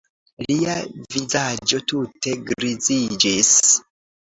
Lia vizaĝo tute griziĝis.